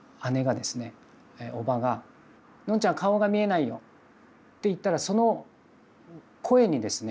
伯母が「ノンちゃん顔が見えないよ」って言ったらその声にですね